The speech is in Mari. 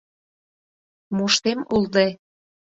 Моштем улде.